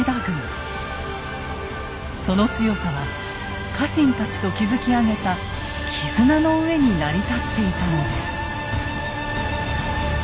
その強さは家臣たちと築き上げた絆の上に成り立っていたのです。